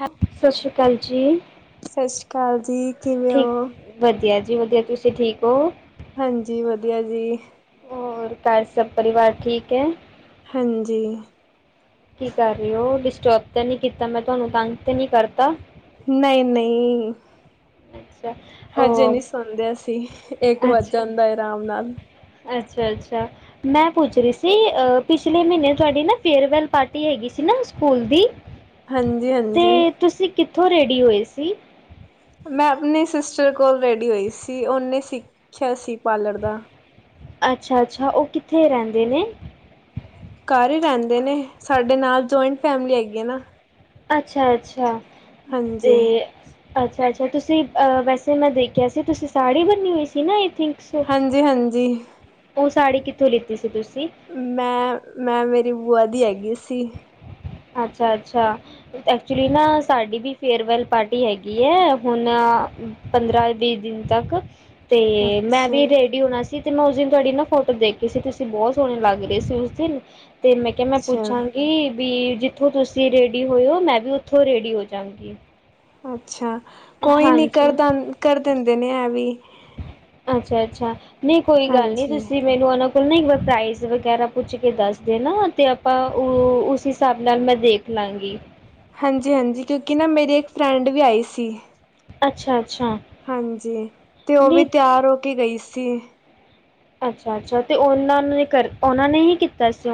ਹੈ ਸ੍ਰੀ ਅਕਾਲ ਜੀ ਜੀ ਸਤਿ ਸ਼੍ਰੀ ਅਕਾਲ ਜੀ ਕਿਵੇਂ ਠੀਕ ਹੋ? ਵਧੀਆ ਜੀ ਜੀ ਵਧੀਆ ਤੁਸੀਂ ਠੀਕ ਹੋ ਹਾਂਜੀ ਵਧੀਆ ਜੀ ਹੋਰ ਘਰ ਸਭ ਪਰਿਵਾਰ ਠੀਕ ਹੈ ਹਾਂਜੀ ਕੀ ਕਰ ਰਹੇ ਹੋ ਡਿਸਟਰਬ ਤਾਂ ਨਹੀਂੀ ਕੀਤਾ ਮੈਂ ਤੁਹਾਨੂੰ ਤੰਗ ਤੇ ਨਹੀਂੀ ਕਰਤਾ ਨਹੀਂ ਨਹੀਂ ਅੱਛਾ ਹਜੇ ਉਹ ਨਹੀਂੀ ਸੁਣਦੇ ਅਸੀਂ ਇੱਕ ਵੱਜ ਅੱਛਾ ਹਦਾ ਹੈ ਆਰਾਮ ਨਾਲ [unintelligible] ਅੱਛਾ ਅੱਛਾ ਮੈਂ ਪੁੱਛ ਰਹੀ ਸੀ ਪਿਛਲੇ ਮਹੀਨੇ ਤੁਹਾਡੀ ਨਾ ਫੇਅਰਵੈੱਲ ਪਾਰਟੀ ਹੈਗੀ ਸੀ ਨਾ ਸਕੂਲ ਦੀ ਹਾਂਜੀ ਤੇ ਹਾਂਜੀ ਤੁਸੀਂ ਕਿੱਥੋਂ ਰੇਡੀ ਹੋਏ ਅੱਸੀ ਮੈਂ ਆਪਣੇ ਸਿਸਟਰ ਕੋਲ ਰੈਡੀ ਹੋਈ ਸੀ ਓਨੇ ਸਿੱਖਿਆ ਸੀ ਪਾਰਲਰ ਦਾ ਅੱਛਾ ਅੱਛਾ ਉਹ ਕਿੱਥੇ ਰਹਿੰਦੇ ਨੇ ਘਰ ਹੀ ਰਹਿੰਦੇ ਨੇ ਸਾਡੇ ਨਾਲ ਜੁਆਇੰਟ ਫੈਮਿਲੀ ਹੈਗੀ ਆ ਨਾ ਅੱਛਾ ਅੱਛਾ ਤੇ ਹਾਂਜੀ ਅੱਛਾ ਅੱਛਾ ਤੁਸੀਂ ਅ ਵੈਸੇ ਮੈਂ ਦੇਖਿਆ ਸੀ ਤੁਸੀਂ ਸਾੜੀ ਬਨੀ ਹੋਈ ਸੀ ਨਾ ਆਈ ਥਿੰਕ ਸੋ ਹਾਂਜੀ ਹਾਂਜੀ ਉਹ ਸਾੜੀ ਕਿੱਥੋਂ ਲਿੱਤੀ ਸੀ ਤੁਸੀਂ ਮੈਂ ਮੈਂ ਮੇਰੀ ਬੂਆ ਦੀ ਹੈਗੀ ਸੀ ਅੱਛਾ ਅੱਛਾ ਐਕਚੁਲੀ ਨਾ ਸਾਡੀ ਵੀ ਫੇਅਰਵੈਲ ਪਾਰਟੀ ਹੈਗੀ ਹੈ ਹੁਣ ਪੰਦਰਾਂ ਵੀਹ ਦਿਨ ਤੱਕ ਅਤੇ ਮੈਂ ਅੱਛਾ ਵੀ ਰੇਡੀ ਹੋਣਾ ਸੀ ਤੇ ਮੈਂ ਉਸ ਦਿਨ ਤੁਹਾਡੀ ਨਾ ਫੋਟੋ ਦੇਖੀ ਸੀ ਤੁਸੀਂ ਬਹੁਤ ਸੋਹਣੇ ਲੱਗ ਰਹੇ ਸੀ ਉਸ ਦਿਨ ਤੇ ਮੈਂ ਕਿਹਾ ਮੈਂ ਅੱਛਾ ਪੁੱਛਾਂਗੀ ਵੀ ਜਿੱਥੋਂ ਤੁਸੀਂ ਰੇਡੀ ਹੋਏਓ ਮੈਂ ਵੀ ਉੱਥੋਂ ਰੇਡੀ ਹੋ ਜਾਵਾਂਗੀ ਅੱਛਾ ਕੋਈ ਨੀ ਕਰਦਾ ਕਰਦਾ ਦਿੰਨੇ ਨੇ ਹੈਂ ਵੀ ਅੱਛਾ ਅੱਛਾ ਨਹੀਂ ਕੋਈ ਗੱਲ ਨਹੀਂੀ ਹਾਂਜੀ, ਤੁਸੀਂ ਮੈਨੂੰ ਉਹਨਾ ਲ ਇੱਕ ਵਾਰ ਪ੍ਰਾਈਜ਼ ਵਗੈਰਾ ਪੁੱਛ ਕੇ ਦੱਸਦੇ ਨਾ ਤੇ ਆਪਾਂ ਉਹ ਉਸ ਹਿਸਾਬ ਨਾਲ ਮੈਂ ਦੇਖ ਲਾਗੀ ਹਾਂਜੀ ਹਾਂਜੀ ਕਿਉਂਕਿ ਨਾ ਮੇਰੀ ਇੱਕ ਫਰੈਂਡ ਵੀ ਆਈ ਸੀ ਅੱਛਾ ਹਾਂਜੀ ਤੇ ਉਹ ਵੀ ਤਿਆਰ ਹੋ ਕੇ ਗਈ ਸੀ ਕਿ ਅੱਛਾ ਅੱਛਾ ਤੇ ਉਹਨਾਂ ਨੇ ਕਰ ਉਹਨਾਂ ਨੇ ਹੀ ਕੀਤਾ ਸੀ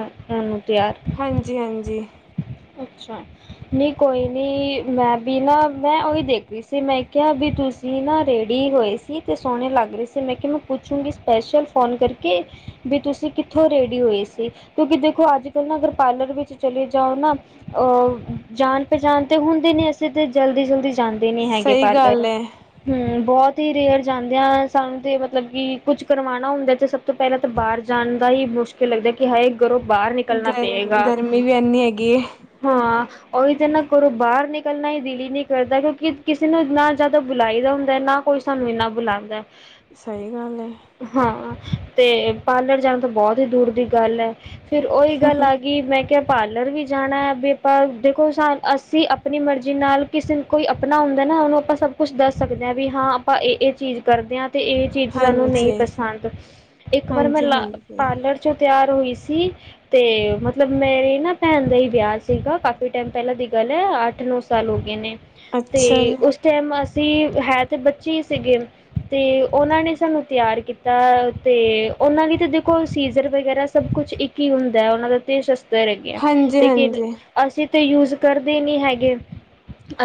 ਤਿਆਰ ਹਾਂਜੀ ਹਾਂਜੀ ਅੱਛਾ ਨਹੀਂ ਕੋਈ ਨਹੀਂ ਮੈਂ ਵੀ ਨਾ ਮੈਂ ਉਹੀ ਦੇਖ ਰਹੀ ਸੀ ਮੈਂ ਕਿਹਾ ਵੀ ਤੁਸੀਂ ਨਾ ਰੇਡੀ ਹੋਏ ਸੀ ਅਤੇ ਸੋਹਣੇ ਲੱਗ ਰਹੇ ਸੀ ਮੈਂ ਕਿਹਾ ਮੈਂ ਪੁੱਛੂੰਗੀ ਸਪੈਸ਼ਲ ਫੋਨ ਕਰਕੇ ਵੀ ਤੁਸੀਂ ਕਿੱਥੋਂ ਰੇਡੀ ਹੋਏ ਸੀ ਕਿਉਂਕਿ ਦੇਖੋ ਅੱਜ ਕੱਲ੍ਹ ਨਾ ਅਗਰ ਪਾਰਲਰ ਵਿੱਚ ਚਲੇ ਜਾਓ ਨਾ ਅਹ ਜਾਣ ਪਹਿਚਾਣ ਤੇ ਹੁੰਦੇ ਨੇ ਅਸੀੇ ਤੇ ਜਲਦੀ ਜਲਦੀ ਜਾਂਦੇ ਨੀ ਹੈਗੇ ਸਹੀ ਗੱਲ ਪਾਰਲਰ ਏ। ਹਮ ਬਹੁਤ ਤੇ ਰੇਅਰ ਜਾਂਦਿਆਂ ਸਾਨੂੰ ਤੇ ਮਤਲਬ ਕਿ ਕੁਝ ਕਰਵਾਉਣਾ ਹੁੰਦਾ ਤੇ ਸਭ ਤੋਂ ਪਹਿਲਾਂ ਤਾਂ ਬਾਹਰ ਜਾਣ ਦਾ ਹੀ ਮੁਸ਼ਕਿਲ ਲੱਗਦਾ ਕਿ ਹਾਏ ਗਰੋਂ ਗਰਮ ਗਰਮੀ ਵੀ ਇੰਨੀ ਹੈਗੀ ਹਾਂ ਉਹ ਤਾਂ ਨਾਂ ਘਰੋਂ ਬਾਹਰ ਨਿਕਲਣਾ ਹੀ ਦਲੀ ਹੀ ਨਹੀਂ ਕਰਦਾ ਕਿਉਂਕਿ ਕਿਸੇ ਨੂੰ ਨਾ ਜ਼ਿਆਦਾ ਬੁਲਾਈ ਦਾ ਹੁੰਦਾ ਨਾ ਕੋਈ ਸਾਨੂੰ ਇੰਨਾ ਬੁਲਾਉਂਦਾ ਸਹੀ ਗੱਲ ਹੈ ਹਾਂ ਤੇ ਪਾਰਲਰ ਜਾਣਾ ਤਾਂ ਬਹੁਤ ਹੀ ਦੂਰ ਦੀ ਗੱਲ ਹੈ ਫਿਰ ਉਹੀ ਗੱਲ ਆ ਗਈ ਮੈਂ ਕਿਹਾ ਪਾਰਲਰ ਵੀ ਜਾਣਾ ਹੈ ਵੀ ਆਪਾਂ ਦੇਖੋ ਸ ਅਸੀਂ ਆਪਣੀ ਮਰਜ਼ੀ ਨਾਲ ਕਿਸੇ ਨੂੰ ਕੋਈ ਆਪਣਾ ਹੁੰਦਾ ਨਾ ਉਹਨੂੰ ਆਪਾਂ ਸਭ ਕੁਛ ਦੱਸ ਸਕਦੇ ਹਾਂ ਵੀ ਹਾਂ ਆਪਾਂ ਇਹ ਇਹ ਚੀਜ਼ ਕਰਦੇ ਹਾਂ ਤੇ ਇਹ ਚੀਜ਼ ਸਾਨੂੰ ਨਹੀਂ ਹਾਂਜੀ। ਪਸੰਦ ਇੱਕ ਵਾਰ ਮੈਂ ਲ ਹਾਂਜੀ-ਹਾਂਜੀ, ਪਾਰਲਰ ਚ ਤਿਆਰ ਹੋਈ ਸੀ ਤੇ ਮਤਲਬ ਮੇਰੇ ਨਾ ਭੈਣ ਦਾ ਹੀ ਵਿਆਹ ਸੀ ਸੀਗਾ ਕਾਫ਼ੀ ਟਾਈਮ ਪਹਿਲਾਂ ਦੀ ਗੱਲ ਹੈ ਅੱਠ ਨੌ ਸਾਲ ਹੋ ਗਏ ਨੇ ਤੇ ਅੱਛਾ ਜੀ, ਉਸ ਟਾਈਮ ਅ ਸੀ ਹੈ ਤੇ ਬੱਚੇ ਸੀਗੇ ਤੇ ਉਹਨਾਂ ਨੇ ਸਾਨੂੰ ਤਿਆਰ ਕੀਤਾ ਤੇ ਉਹਨਾਂ ਲਈ ਤਾਂ ਦੇਖੋ ਸੀਜ਼ਰ ਵਗੈਰਾ ਸਭ ਕੁਛ ਇੱਕ ਹੀ ਹੁੰਦਾ ਉਹਨਾਂ ਦਾ ਤੇ ਸਸ ਹੈਗੇ ਆ ਲੇਕਿਨ ਹਾਂਜੀ-ਹਾਂਜੀ। ਹਾਂਜੀ, ਅਸੀਂ ਤੇ ਯੂਜ ਕਰਦੇ ਨਹੀ ਹੈਗੇ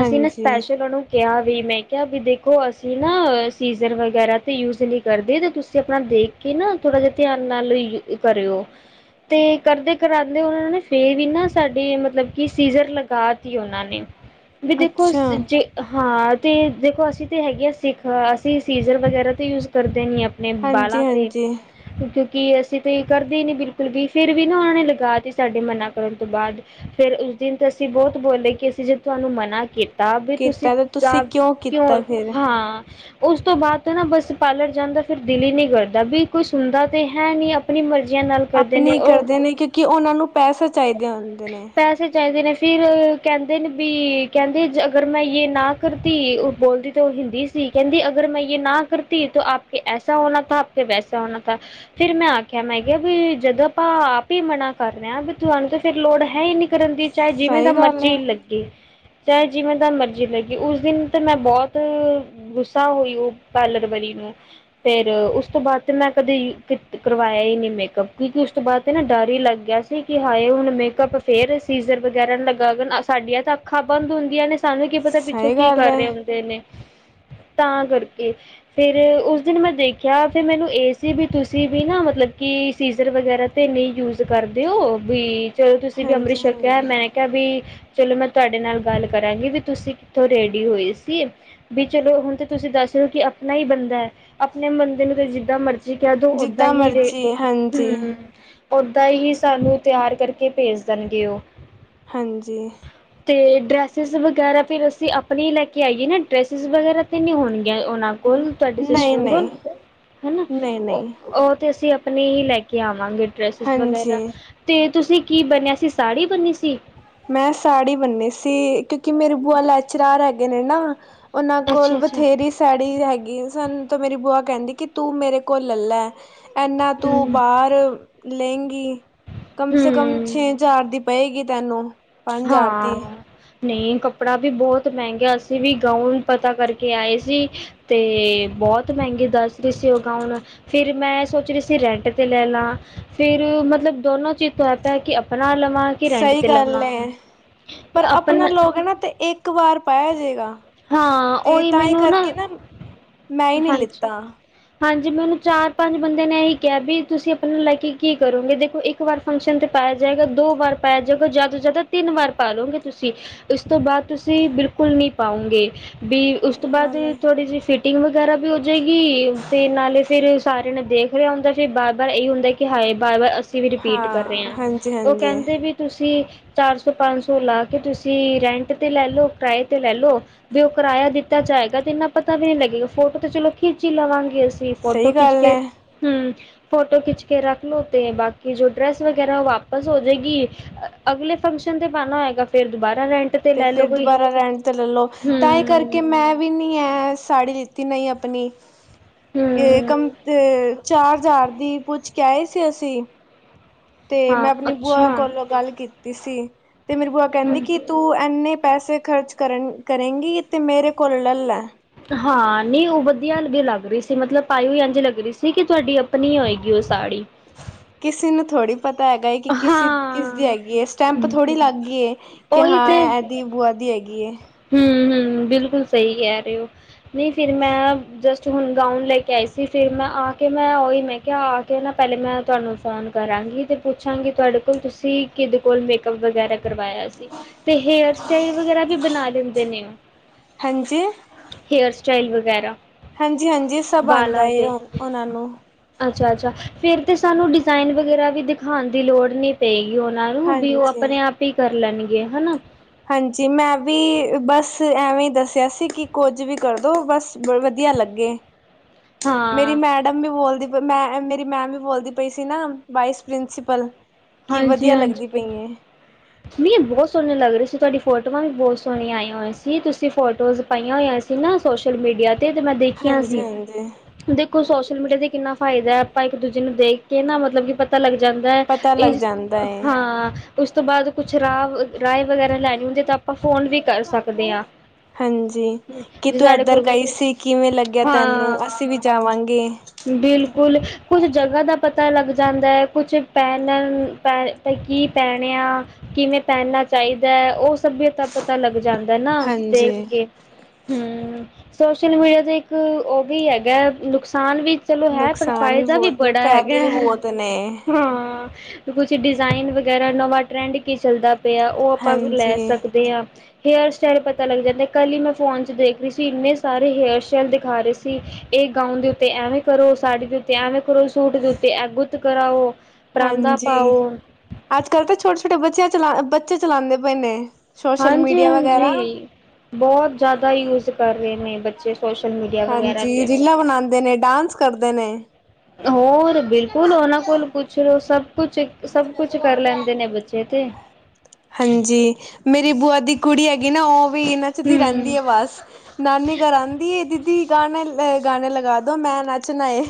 ਅਸੀਂ ਨਾ ਹਾਂਜੀ ਸਪੈਸ਼ਲ ਉਹ ਨੂੰ ਕਿਹਾ ਵੀ ਮੈਂ ਕਿਹਾ ਵੀ ਦੇਖੋ ਅਸੀਂ ਨਾ ਸੀਜ਼ਰ ਵਗੈਰਾ ਤੇ ਯੂਜ ਨਹੀਂ ਕਰਦੇ ਤੇ ਤੁਸੀਂ ਆਪਣਾ ਦੇਖ ਕੇ ਨਾ ਥੋੜਾ ਜਹਾ ਧਿਆਨ ਨਾਲ ਕਰਿਓ ਤੇ ਕਰਦੇ ਕਰਾਂਦੇ ਉਹ ਨੇ ਫੇਰ ਵੀ ਨਾ ਸਾਡੇ ਮਤਲਬ ਕਿ ਸੀਜ਼ਰ ਲਗਾ ਤੀ ਉਹਨਾਂ ਨੇ ਵੀ ਦੇਖੋ ਅੱਛਾ, ਜੇ ਹਾਂ ਅਤੇ ਦੇਖੋ ਅਸੀਂ ਤਾਂ ਹੈਗੇ ਆ ਸਿੱਖ ਅਸੀਂ ਸੀਜ਼ਰ ਵਗੈਰਾ ਤਾਂ ਯੂਜ ਕਰਦੇ ਨਹੀਂ ਆਪਾਂ ਨੇ ਬਾਲਾ ਤੇ ਹਾਂਜੀ-ਹਾਂਜੀ। ਕਿ ਅਸੀਂ ਤਾਂ ਕਰਦੇ ਨਹੀਂ ਬਿਲਕੁਲ ਵੀ ਫਿਰ ਵੀ ਨਾ ਉਹਨਾਂ ਨੇ ਲਗਾਤੀ ਸਾਡੇ ਮਨਾ ਕਰਨ ਤੋਂ ਬਾਅਦ ਫਿਰ ਉਸ ਦਿਨ ਤਾਂ ਅਸੀਂ ਬਹੁਤ ਬੋਲੇ ਕਿ ਅਸੀਂ ਜੇ ਤੁਹਾਨੂੰ ਮਨਾ ਕੀਤਾ ਤਾਂ ਵੀ ਤੁਸੀਂ ਕੀਤਾ ਤੇ ਤਾਂ ਤੁਸੀਂ ਕਿਉਂ ਕੀਤਾ ਫਿਰ? ਹਾਂ ਉਸ ਤੋਂ ਬਾਅਦ ਨਾ ਬਸ ਪਾਰਲਰ ਜਾਂਦਾ ਫਿਰ ਦਿਲ ਹੀ ਨਹੀਂ ਕਰਦਾ ਵੀ ਕੋਈ ਸੁਣਦਾ ਤੇ ਹੈ ਨਹੀਂ ਆਪਣੀ ਮਰਜ਼ੀ ਆਪਣੀ ਕਰਦੇ ਨੇ ਕਿਉਂਕਿ ਉਹਨਾਂ ਨੂੰ ਪੈਸਾ ਚਾਹੀਦਾ ਪੈਸੇ ਚਾਹੀਦੇ ਨੇ ਸੀ ਫਿਰ ਕਹਿੰਦੇ ਨੇ ਵੀ ਕਹਿੰਦੇ ਅਗਰ ਮੈਂ ਯ ਨਾ ਕਰਤੀ ਉਹ ਬੋਲਦੀ ਤਾਂ ਉਹ ਹਿੰਦੀ ਸੀ ਕਹਿੰਦੀ ਅਗਰ ਮੈਂ ਯ ਨਾ ਕਰਤੀ ਤਾਂ ਆਪ ਕੇ ਐਸਾ ਹੋਣਾ ਥਾ ਆਪ ਕੇ ਵੈਸਾ ਹੋਣਾ ਥਾ ਫਿਰ ਮੈਂ ਆਖਿਆ ਮੈਂ ਕਿਹਾ ਵੀ ਜਦ ਆਪਾਂ ਆਪ ਹੀ ਮਨਾ ਕਰ ਰਹੇ ਹਾਂ ਤੁਹਾਨੂੰ ਤਾਂ ਫਿਰ ਲੋੜ ਹੈਨੀ ਕਰਨ ਦੀ ਚਾਹੇ ਜਿਵੇਂ ਦਾ ਸਹੀ ਗੱਲ ਮਰਜ਼ੀ ਏ। ਲੱਗੇ ਚਾਹੇ ਜਿਵੇਂ ਤਾਂ ਮਰਜ਼ੀ ਲੱਗੀ ਉਸ ਦਿਨ ਤੇ ਮੈਂ ਬਹੁਤ ਗੁੱਸਾ ਹੋਈ ਉਹ ਪਾਰਲਰਵਰੀ ਨੂੰ ਫਿਰ ਉਸ ਤੋਂ ਬਾਅਦ ਤੇ ਮੈਂ ਕਦੇ ਕਰਵਾਇਆ ਹੀ ਨ ਮੇਕਅਪ ਕਿਉਂਕਿ ਉਸ ਤੋਂ ਬਾਅਦ ਤੇ ਨਾ ਡਰ ਹੀ ਲੱਗ ਗਿਆ ਸੀ ਕਿ ਹਾਏ ਹੁਣ ਮੇਕਅੱਪ ਫੇਰ ਸੀਜ਼ਰ ਵਗੈਰਾ ਲਗਾ ਸਾਡੀਆਂ ਤਾਂ ਅੱਖਾਂ ਬੰਦ ਹੁੰਦੀਆਂ ਨੇ ਸਾਨੂੰ ਕੀ ਪਤਾ ਪਿੱਛੋਂ ਸਹੀ ਕੀ ਗੱਲ ਕਰ ਏ। ਰਹੇ ਹੁੰਦੇ ਨੇ ਤਾਂ ਕਰਕੇ ਫਿਰ ਉਸ ਦਿਨ ਮੈਂ ਦੇਖਿਆ ਫਿਰ ਮੈਨੂੰ ਇਹ ਸੀ ਵੀ ਤੁਸੀਂ ਵੀ ਨਾ ਮਤਲਬ ਕਿ ਸੀਜ਼ਰ ਵਗੈਰਾ ਤੇ ਨਹੀਂ ਯੂਜ ਕਰਦੇ ਹੋ ਵੀ ਚਲੋ ਤੁਸੀਂ ਵੀ ਅੰਮ੍ਰਿਤ ਹਾਂਜੀ ਛਰ ਕਿਹਾ ਹਾਂਜੀ ਮੈਂਨ ਕਿਹਾ ਵੀ ਚਲੋ ਮੈਂ ਤੁਹਾਡੇ ਨਾਲ ਗੱਲ ਕਰਾਂਗੀ ਤੁਸੀਂ ਕਿੱਥੋਂ ਰੈਡੀ ਹੋਈ ਸੀ ਵੀ ਚਲੋ ਹੁਣ ਤਾਂ ਤੁਸੀਂ ਦੱਸ ਲਓ ਕਿ ਆਪਣਾ ਹੀ ਬੰਦਾ ਹੈ ਆਪਣੇ ਬੰਦੇ ਨੂੰ ਤਾਂ ਜਿੱਦਾਂ ਮਰਜ਼ੀ ਜੀ ਕਹਿ ਦੋ ਓਦਾਂ ਜਿੱਦਾਂ ਹੀ ਰੇ ਮਰਜ਼ੀ ਹਾਂਜੀ ਹਮ ਤਾਂ ਹੀ ਸਾਨੂੰ ਤਿਆਰ ਕਰਕੇ ਭੇਜ ਦੇਣਗੇ ਉਹ ਹਾਂਜੀ ਅਤੇ ਡਰੈਸਿਸ ਵਗੈਰਾ ਫਿਰ ਅਸੀਂ ਆਪਣੇ ਹੀ ਲੈ ਕੇ ਆਈਏ ਨਾ ਡਰੈਸਿਸ ਵਗੈਰਾ 'ਤੇ ਨਹੀਂ ਹੋਣ ਉਹਨਾਂ ਕੋਲ ਤੁਹਾਡੇ ਨਹੀਂ ਸਿਸਟਰ ਕੋਲ ਨਹੀਂ ਹਨਾ ਨਹੀਂ ਨਹੀਂ ਉਹ ਤੇ ਅਸੀਂ ਆਪਣੇ ਹੀ ਲੈ ਕੇ ਆਵਾਂਗੇ ਡ੍ਰੈਸਿਸ ਹਾਂਜੀ ਵਗੈਰਾ ਤੇ ਤੁਸੀਂ ਕੀ ਬੰਨਿਆ ਸੀ ਸਾੜੀ ਬੰਨੀ ਸੀ ਮੈਂ ਸਾੜੀ ਬੰਨੀ ਸੀ ਕਿ ਕਿ ਮੇਰੀਆ ਭੂਆ ਲੈਚਰਾਰ ਹੈ ਨ ਨਾ ਉਹਨਾਂ ਕੋਲ ਅੱਛਾ ਅੱਛਾ ਬਥੇਰੀ ਸਾੜੀ ਹੈਗੀ ਸਨ ਤੇ ਮੇਰੀ ਭੂਆ ਕਹਿੰਦੀ ਕਿ ਤੂੰ ਮੇਰੇ ਕੋਲ ਲੈ ਲੈ ਹੈ ਇਨਾ ਤੂੰ ਹੂੰ ਬਾਹਰ ਲੇਗੀ ਕਮ ਸੇ ਕਮ ਹੂੰ ਛੇ ਹਜ਼ਾਰ ਦੀ ਪਏਗੀ ਤੇਨੂੰ ਹਾਂ ਨਹੀਂ ਕੱਪੜਾ ਵੀ ਬਹੁਤ ਮਹਿੰਗਾ ਅਸੀਂ ਵੀ ਗਾਊਨ ਪਤਾ ਕਰਕੇ ਆਏ ਸੀ ਤੇ ਬਹੁਤ ਮਹਿੰਗੇ ਦੱਸ ਰਹੀ ਸੀ ਉਹ ਗਾਊਨ ਫਿਰ ਮੈਂ ਸੋਚ ਰਹੀ ਸੀ ਰੈਂਟ ਤੇ ਲੈ ਲਾਂ ਫਿਰ ਮਤਲਬ ਦੋਨੋ ਚੀਜ਼ ਤੋਂ ਐ ਪ ਹੈ ਕਿ ਆਪਣਾ ਆਪਣਾ ਲਵਾਂ ਘੇਰੈਂਟ ਸਹੀ ਤੇ ਗੱਲ ਲਵਾਂ ਹੈ ਪਰ ਆਪਣਾ ਲੋਕ ਹੈ ਨਾ ਤੇ ਇੱਕ ਇੱਕ ਵਾਰ ਪਾਇਆ ਜਾਵੇੇਗਾ ਹਾਂ ਤੇ ਉਹੀ ਤਾਂ ਇਹ ਮੈਨੂੰ ਕਰਕੇ ਨਾ ਮੈਂ ਹੀ ਨਹੀਂ ਹਾਂਜੀ ਲਿੱਤਾ ਹਾਂਜੀ ਮੈ ਉਹਨੂੰ ਚਾਰ ਪੰਜ ਬੰਦਿਆਂ ਨੇ ਇਹੀ ਕਿਹਾ ਵੀ ਤੁਸੀਂ ਆਪਣੇ ਨੂੰ ਲੈ ਕੇ ਕੀ ਕਰੋਗੇ ਦੇਖੋ ਇੱਕ ਵਾਰ ਫੰਕਸ਼ਨ 'ਤੇ ਪਾਇਆ ਜਾਵੇਗਾ ਦੋ ਵਾਰ ਪਾਇਆ ਜਾਵੇਗਾ ਜ਼ਿਆਦਾ ਤੋਂ ਜ਼ਿਆਦਾ ਤਿੰਨ ਵਾਰ ਪਾ ਲਉਗੇ ਤੁਸੀਂ ਇਸ ਤੋਂ ਬਾਅਦ ਤੁਸੀਂ ਬਿਲਕੁਲ ਨਹੀਂ ਪਾਉਂਗੇ ਵੀ ਉਸ ਤੋਂ ਸਹੀ ਬਾਅਦ ਗੱਲ ਏ। ਥੋੜੀ ਜਿਹੀ ਫਿਟ ਟਿੰਗ ਵਗੈਰਾ ਵੀ ਹੋ ਜਾਏਗੀ ਤੇ ਨਾਲੇ ਫੇਰ ਸਾਰਿਆਂ ਨੇ ਦੇਖ ਰਿਹਾ ਹੁੰਦਾ ਫਿਰ ਬਾਰ ਬਾਰ ਇਹੀ ਹੁੰਦਾ ਕਿ ਹਾਏ ਬਾਰ ਬਾਰ ਅਸੀਂ ਵੀ ਰਿਪੀਟ ਕਰ ਰਹੇ ਹਾਂ, ਹਾ, ਉਹ ਹਾਂਜੀ-ਹਾਂਜੀ ਕਹਿੰਦੇ ਵੀ ਤੁਸੀਂ ਚਾਰ ਸੌ, ਪੰਜ ਸੌ, ਲਾ ਕੇ ਤੁਸੀਂ ਰੈਂਟ ਤੇ ਲੈ ਲਓ ਕਿਰਾਏ ਤੇ। ਲੈਲੋ--ਤੇ ਉਹ ਕਿਰਾਆ ਦਿੱਤਾ ਜਾਏਗਾ ਤੇ ਇੰਨਾ ਪਤਾ ਵੀ ਨੀ ਲੱਗੇਗਾ ਫੋਟੋ ਤੇ ਚਲੋ ਖਿੱਚੀ ਲਵਾਂਗੇ। ਤੇ ਫੋਟੋ ਸਹੀ ਖਿੱਚ ਗੱਲ ਕੇ ਹੈ ਹੁ ਫੋਟੋ ਖਿੱਚ ਕੇ ਰੱਖ ਲਓ, ਤੇ ਬਾਕੀ ਜੋ ਡਰੈਸ ਵਗੈਰਾ ਵਾਪਸ ਹੋ ਜਾਏਗੀ, ਅਗਲੇ ਫੰਕਸ਼ਨ ਤੇ ਪਾਣਾ ਹੋਏਗਾ ਫੇਰ ਦੁਬਾਰਾ ਰੈਂਟ ਤੇ ਲੈਲੋ ਫਿਰ ਕੋਈ ਦੁਬਾਰਾ ਰੈਂਟ ਤੇ ਲੈਲੋ, ਤਾਂ ਇਹ ਕਰਕੇ ਹੂੰ ਮੈਂ ਵ ਨੀ, ਹੈ ਆ ਸ ਲਿੱਤੀ ਨਹੀਂ ਆਪਣੀ ਏ ਹੂੰ ਕੰਮ ਤੇ ਚਾਰ ਹਜ਼ਾਰ, ਦੀ ਪੁੱਛ ਕੇ ਆਏ ਸੀ ਅਸੀਂ। ਤੇ ਹਾਂ ਮੈਂ ਆਪਣੀ ਅੱਛਾ ਭੂਆ, ਕੋਲੋਂ ਗੱਲ ਕੀ ਕਿਸੀ। ਤੇ ਮੇਰੀ ਭੂਆ ਕਹਿੰਦੀ ਹੂੰ ਕਿ, ਤੂੰ ਏਨੇ ਪੈਸੇ ਖਰਚ ਕਰਨ ਕਰੇਗੀ, ਤੇ ਮੇਰੇ ਕੋਲ ਲੈ ਲੈ। ਹਲਦੀ ਲੱਗ ਰਹੀ ਸੀ, ਮਤਲਬ ਪਾਈ ਹੋਈ ਇੰਝ ਲੱਗ ਰਹੀ ਸੀ, ਕਿ ਤੁਹਾਡੀ ਆਪਣੀ ਹੋਏਗੀ ਉਸ ਕਿਸੇ ਨੂੰ ਥੋੜ੍ਹੀ ਪਤਾ ਹੈਗਾ, ਕਿ ਕਿਸੇ ਕਿਸ ਦੀ ਹਾਂ ਹੈਗੀ ਏ, ਸਟੈਂਪ ਥੋੜੀ ਲੱਗ ਗਈਏ, ਕਿ ਉਹੀ ਤੇ ਹਾਂ ਇਹਦੀ ਭੂਆ ਦੀ ਹੈਗੀ ਗਿਏ। ਹੂੰ, ਹੂੰ ਬਿਲਕੁਲ। ਸਹੀ ਕਹਿ ਰਹੇ ਹੋ, ਨਹੀਂ ਫਿਰ ਮੈਂ ਜਸਟ ਹੁਣ ਗਾਊਨ ਲੈ ਕੇ ਆਈ ਸੀ। ਫਿਰ ਮੈਂ ਆ ਕੇ ਮੈਂ ਉਹੀ ਮੈਂ ਆ ਕੇ ਪਹਿਲੇ ਮੈਂ, ਤੁਹਾਨੂੰ ਫੋਨ ਕਰਾਂਗੀ ਤੇ ਪੁੱਛਾਂਗੀ, ਤੁਹਾਡੇ ਕੋਲ ਤੁਸੀਂ ਕਿਹਦੇ ਕੋਲ ਮੇਕਅੱਪ ਵਗੈਰਾ ਕਰਵਾਇਆ ਸੀ, ਤੇ ਹੇਅਰ ਸਟਾਈਲ ਵਗੈਰਾ ਵੀ ਬਣਾ ਦੇਨੇ ਆ, ਹੇਅਰ ਸਟਾਈ ਦਹੀਂ ਵਗੈਰਾ ਹਾਂਜੀ, ਹਾਂਜੀ ਸਭ ਆਂਦਾ ਏ, ਉਹਨਾਂ ਨੂੰ। ਅੱਛਾ, ਅੱਛਾ ਫਿਰ ਤੇ ਸਾਨੂੰ ਡਿਜ਼ਾਇਨ ਵਗੈਰਾ ਵੀ ਦਿਖਾਂਣ ਦੀ ਲੋੜ ਨੀ ਪਏਗੀ। ਜੀ ਉਹਨਾਂ ਨੂੰ, ਵੀ ਉਹ ਹਾਂਜੀ। ਆਪਣੇ ਆਪ ਹੀ ਕਰ ਲੈਣੀ ਗਏ ਹੈਨਾ। ਹਾਂਜੀ, ਮੈਂ ਵੀ ਬਸ ਐਵੇਂ ਹੀ ਦੱਸਿਆ ਸੀ, ਕਿ ਕੁੱਝ ਵੀ ਕਰਦੋ ਬਸ ਵਧੀਆ ਲੱਗੇ। ਮੇਰੀ ਹਾਂ ਮੈਡਮ ਵੀ ਬੋਲਦੀ ਵ ਮੈਂ ਮੇਰੀ ਮੈਮ, ਵੀ ਬੋਲਦੀ ਪਈ ਸੀ ਨਾ, ਵਾਈਸ ਪ੍ਰਿੰਸੀਪਲ ਕੀ ਵਧੀਆ, ਲੱਗਦੀ ਪਈ ਏ। ਮ ਬਹੁਤ ਸੋਹਣੇ ਲੱਗ ਰਹੇ ਸੀ, ਤੁਹਾਡੀ ਫੋਟੋਆਂ ਵੀ ਬਹੁਤ ਸੋਹਣੀਆਂ ਆਈਆਂ ਹੋਈਆਂ ਸੀ, ਤੁਸੀਂ ਫੋਟੋਜ਼ ਪਾਈਆਂ ਹੋਈਆਂ ਸੀ ਨਾ, ਸੋਸ਼ਲ ਮੀਡੀਆ ਤੇ, ਤੇ ਮੈਂ ਦੇਖੀਆਂ ਸੀ, ਹਾਂਜੀ-ਹਾਂਜੀ। ਦੇਖੋ ਸੋਸ਼ਲ ਮੀਡੀਆ ਤੇ ਕਿੰਨਾ ਫਾਇਦਾ ਆਪਾਂ, ਇੱਕ ਦੂਜੇ ਨੂੰ ਦੇਖ ਕੇ ਨਾ, ਮਤਲਬ ਕਿ ਪਤਾ ਲੱਗਦਾ ਜਾਂਦਾ ਹੈ, ਪਤਾ ਲੱਗ ਇਸ ਜਾਂਦਾ ਏ ਹਾਂ, ਉਸ ਤੋਂ ਬਾਅਦ ਸ਼ਰਾਬ ਰਾਏ ਵਗੈਰਾ ਲੈਣੀ ਹੁੰਦੀ ਤਾਂ ਆਪਾਂ ਫੋਨ ਵੀ ਕਰ ਸਕਦੇ ਹਾਂ। ਹਾਂਜੀ। ਕਿ ਜੇ ਤੂੰ ਸਾਡੇ ਏਧਰ ਕੋਲ ਗਈ ਸੀ ਕਿਵੇਂ ਲੱਗਿਆ ਤੈਨੂੰ ਹਾਂ ਅਸੀਂ ਵੀ ਜਾਵਾਂਗੇ। ਬਿਲਕੁਲ ਕੁੱਛ ਜਗ੍ਹਾ ਦਾ ਪਤਾ ਲੱਗ ਜਾਂਦਾ ਏ, ਕੁਛ ਪਹਿਨਨ ਪ ਪ ਕੀ ਪੈਣਿਆਂ। ਕਿਵੇਂ ਪਹਿਨਨਾ ਚਾਹੀਦਾ ਹੈ ਉਹ ਸੱਭਿਅਤਾ ਪਤਾ ਲੱਗ ਜਾਂਦਾ ਨਾ ਦੇਖ ਹਾਂਜੀ ਕੇ, ਹਮ। ਸੋਸ਼ਲ ਮੀਡੀਆ ਤੇ ਇੱਕ ਉਹ ਵੀ ਹੈਗਾ ਨੁਕਸਾਨ ਵੀ ਚਲੋ ਹੈ ਪਰ ਨੁਕਸਾਨ ਫਾਇਦਾ ਵੀ ਬਹੁਤ ਨੇ ਬੜਾ ਹੈਗੈ ਫਾਇਦੇ ਵੀ ਬਹੁਤ ਨੇ ਹਾਂ। ਕੁਛ ਡਿਜ਼ਾਈਨ ਵਗੈਰਾ ਨਵਾਂ ਟ੍ਰੈਂਡ ਕੀ ਚੱਲਦਾ। ਪੀਆ ਉਹ ਆਪਾਂ ਲੈ ਹਾਂਜੀ। ਸਕਦੇ ਹਾਂ। ਹੇਅਰ ਸਟਾਈਲ ਪਤਾ ਲੱਗ ਜਾਂਦਾ, ਕੱਲ੍ਹ ਹੀ ਮੈਂ ਫੋਨ ਚ ਦੇਖ ਰਹੀ ਸੀ। ਇੰਨੇ ਸਾਰੇ ਹੇਅਰ ਸਟਾਈਲ ਦਿਖਾ ਰਹੇ ਸੀ। ਇਹ ਗਾਊਨ ਦੇ ਉੱਤੇ ਐਵੇਂ ਕਰੋ, ਸਾੜੀ ਦੇ ਉੱਤੇ ਐਵੇਂ ਕਰੋ, ਸੂਟ ਦੇ ਉੱਤੇ ਐ ਗੁੱਤ ਕਰਾਓ। ਪਰਾਂਦਾ ਹਾਂਜੀ। ਪਾਓ ਅੱਜ ਕੱਲ੍ਹ ਤਾਂ ਛੋਟੇ, ਛੋਟੇ ਬੱਚਿਆਂ ਚਲਾ ਬੱਚੇ ਚਲਾਉਂਦੇ ਪਏ ਨੇ। ਸੋਸ਼ਲ ਮੀਡੀਆ ਵਗੈਰਾ ਹਾਂਜੀ-ਹਾਂਜੀ। ਬਹੁਤ ਜ਼ਿਆਦਾ ਯੂਜ ਕਰ ਰਹੇ ਨੇ ਬੱਚੇ ਸੋਸ਼ਲ ਮੀਡੀਆ ਵਗੈਰਾ ਹਾਂਜੀ ਤੇ ਰੀਲਾਂ ਬਣਾਉਂਦੇ ਨੇ ਡਾਂਸ ਕਰਦੇ ਨੇ। ਹੋਰ ਬਿਲਕੁਲ ਉਹਨਾਂ ਕੋਲ ਪੁੱਛ ਲੋੋ ਸਭ ਕੁਛ ਸਭ ਕੁਛ ਕਰ ਲੈਂਦੇ ਨੇ ਬੱਚੇ ਤੇ ਹਾਂਜੀ ਮੇਰੀ ਬੂਆ ਦੀ ਕੁੜੀ ਹੈਗੀ ਨਾ ਉਹ ਵੀ ਨਚਦੀ ਰਹਿੰਦੀ ਹੂੰ ਹੈ ਬਸ ਨਾਨੀ ਘਰ ਆਉਂਦੀ ਏ ਦੀਦੀ ਗਾਣੇ, ਗਾਣੇ ਲਗਾ ਦੋ ਮੈਂ ਨੱਚਣਾ ਏ।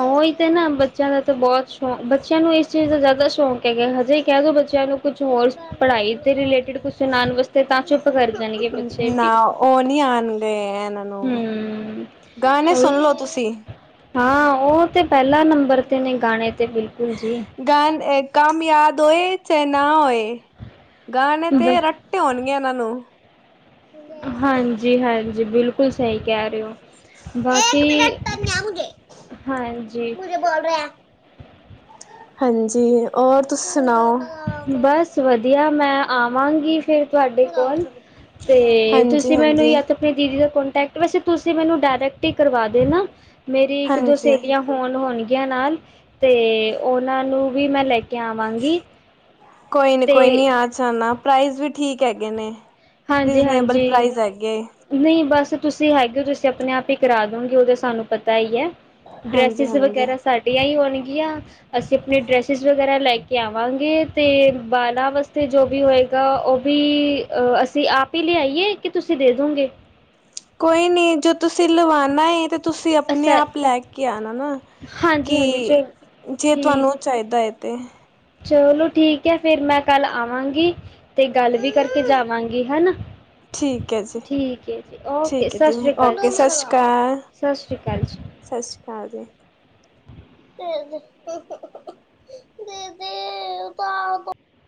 ਉਹੀ ਤੇ ਨਾ ਬੱਚਿਆਂ ਦਾ ਤਾਂ ਬਹੁਤ ਹ ਬੱਚਿਆਂ ਨੂੰ ਇਸ ਚੀਜ਼ ਦਾ ਜ਼ਿਆਦਾ ਸ਼ੌਕ ਹੈਗੈ ਹਜੇ ਕਹਿ ਦੋ ਬੱਚਿਆਂ ਨੂੰ ਕੁਛ ਹੋਰ ਪੜ੍ਹਾਈ ਦੇ ਰਿਲੇਟਿਡ ਕੁਛ ਸੁਣਾਣ ਵਾਸਤੇ ਤਾਂ ਚੁੱਪ ਕਰ ਜਾਣਗੇ ਬੱਚੇ ਵੀ। ਨਾ ਉਹ ਨੀ ਆਉਣਗੇ ਇਹਨਾਂ ਹਮ ਗਾਣੇ ਉਹ ਸੁਣ ਲਓ ਤੁਸੀਂ। ਹਾਂ ਉਹ ਤੇ ਪਹਿਲਾ ਨੰਬਰ ਤੇ ਨੇ ਗਾਣੇ ਤੇ ਬਿਲਕੁਲ ਜੀ। ਗਾਣੇ ਕਾਮਯਾਦ ਹੋਏ ਚੈ ਨਾ ਹੋਏ। ਗਾਣੇ ਤੇ ਰੱਟੇ ਹੋਣਗੇ। ਉਨ੍ਹਾਂ ਨੂੰ ਹਾਂਜੀ-ਹਾਂਜੀ। ਬਿਲਕੁਲ। ਬਿਲਕੁਲ ਸਹੀ ਕਹਿ ਰਹੇ ਹੋ। ਬਾਕੀ ਹਾਂਜੀ। ਹਾਂਜੀ ਹੋਰ ਤੁਸੀ ਸੁਣਾਓ। ਬਸ ਵਧੀ ਯਾ ਮੈਂ ਆਵਾਂਗੀ। ਫਿਰ ਤੁਹਾਡੇ ਕੋਲ ਤੇ ਹਾਂਜੀ ਤੁਸੀਂ ਮੈਨੂੰ ਹਾਂਜੀ ਯ ਤਾਂ ਆਪਣੀ ਦੀਦੀ ਦਾ ਕੋਂਟੈਕਟ ਵੈਸੇ ਤੁਸੀਂ ਮੈਨੂੰ ਡਾਇਰੈਕਟ ਹੀ ਕਰਵਾ ਦੇ ਨਾ ਮੇਰੀ ਇੱਕ ਦੋ ਹਾਂਜੀ ਸਹੇਲੀਆਂ ਹੋਣ ਹੋਣਗੀਆਂ। ਗੀਆ ਨਾਲ ਤੇ ਉਹਨਾਂ ਨੂੰ ਵੀ ਮੈਂ ਲੈ ਕੇ ਆਵਾਂਗੀ। ਕੋਈ ਨੀ, ਤੇ ਕੋਈ ਨੀ ਆ ਜਾਨਾ। ਪ੍ਰਾਈਜ਼ ਵੀ ਠੀਕ ਹੈਗੇ ਨੇ। ਰੀਜ਼ਨੇਬਲ ਹਾਂਜੀ-ਹਾਂਜੀ, ਪ੍ਰਾਈਜ਼ ਹੈਗੇ ਨਹੀਂ ਬਸ ਤੁਸੀਂ ਹੈਗੇ ਹੋ ਤੁਸੀਂ ਆਪਣੇ ਆਪ ਹੀ ਕਰਾ ਦੋਗੇ ਉਹ ਤਾਂ ਸਾਨੂੰ ਪਤਾ ਈ ਆ। ਹਾਂਜੀ ਡਰੈਸਿਸ ਹਾਂਜੀ ਵਗੈਰਾ ਸਾਡੀਆਂ ਹੀ ਹੋਣਗ ਗੀਆਂ ਅਸੀਂ ਆਪਣੇ ਡਰੈਸਿਸ ਵਗੈਰਾ ਲੈ ਕੇ ਆਵਾਂਗੇ ਤੇ ਬਾਲਾਂ ਵਾਸਤੇ ਤੇ ਜੋ ਵੀ ਹੋਏਗਾ ਉਹ ਵੀ ਆ ਅਸ ਸੀਂ ਆਪ ਹੀ ਲਿਆਈਏ ਕਿ ਤੁਸੀਂ ਦੇ ਦੋਗੇ? ਕੋਈ ਨੀ ਜੋ ਤੁਸੀਂ ਲਵਾਉਣਾ ਤੇ ਤੁਸੀਂ ਆਪਣੇ ਅੱਛਾ ਆਪ ਲੈ ਕੇ ਆਣਾ ਨਾ, ਹਾਂਜੀ ਹਾਂਜੀ ਚ ਕਿ ਜੇ ਠੀਕ ਤੁਹਾਨੂੰ ਚਾਹੀਦਾ ਏ। ਤੇ ਚਲੋ ਠੀਕ ਹੈ ਫਿਰ ਮੈਂ ਕੱਲ ਆਵਾਂਗੀ। ਤੇ ਗੱਲ ਵੀ ਕਰਕੇ ਜਾਵਾਂਗੀ ਹੈ ਨਾ ਠੀਕ ਹੈ ਜੀ ਠੀਕ ਹੈ ਜੀ ਓਕੇ ਠੀਕ ਹੈ ਸਤਿ ਜੀ ਸ੍ਰੀ ਅਕਾਲ ਓਕੇ ਜੀ, ਸਤਿ ਸ਼੍ਰੀ ਅਕਾਲ ਸਤਿ ਸ੍ਰੀ ਅਕਾਲ ਜੀ। ਸਤਿ ਸ਼੍ਰੀ ਅਕਾਲ ਜੀ [inaudible]